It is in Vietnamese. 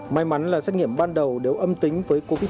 may mắn là xét nghiệm ban đầu đều âm tính với covid một mươi